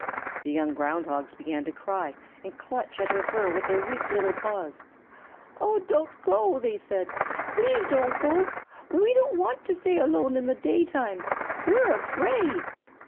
The young Ground Hogs began to cry and clutch at her fur with their weak little paws. "Oh, don't go," they said. "Please don't go. We don't want to stay alone in the daytime. We're afraid."